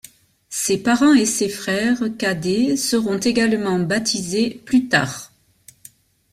Ses parents et ses frères cadets seront également baptisés plus tard.